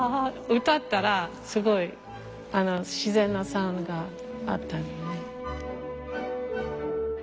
歌ったらすごい自然のサウンドがあったのよね。